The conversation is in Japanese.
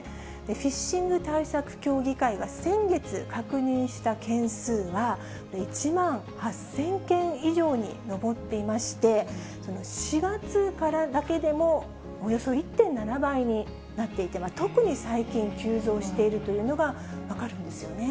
フィッシング対策協議会が先月確認した件数は、１万８０００件以上に上っていまして、４月からだけでもおよそ１．７倍になっていて、特に最近、急増しているというのが分かるんですよね。